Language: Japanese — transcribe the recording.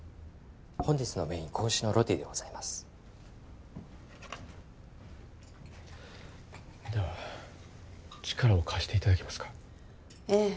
本日のメイン仔牛のロティでございますでは力を貸していただけますかええ